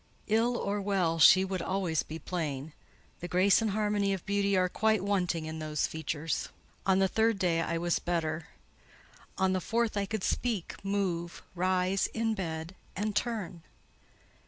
"Ill or well, she would always be plain. The grace and harmony of beauty are quite wanting in those features." On the third day I was better; on the fourth, I could speak, move, rise in bed, and turn.